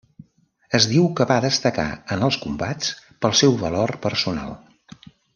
Es diu que va destacar en els combats pel seu valor personal.